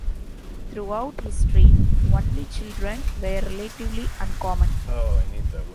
Throughout history, only children were relatively uncommon.